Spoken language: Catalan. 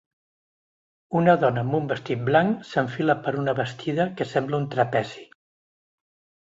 Una dona amb un vestit blanc s'enfila per una bastida que sembla un trapezi.